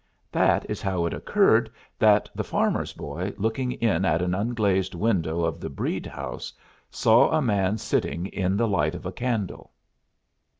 That is how it occurred that the farmer's boy, looking in at an unglazed window of the Breede house, saw a man sitting in the light of a candle.